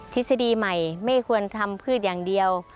ทฤษฎีใหม่ไม่ควรทำพืชอย่างเดียว